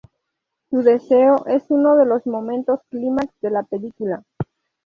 Su deceso es uno de los momentos clímax de la película.